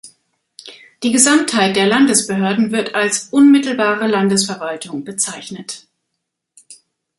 Die Gesamtheit der Landesbehörden wird als "unmittelbare Landesverwaltung" bezeichnet.